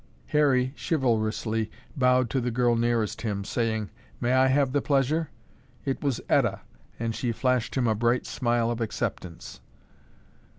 Harry chivalrously bowed to the girl nearest him, saying, "May I have the pleasure?" It was Etta and she flashed him a bright smile of acceptance.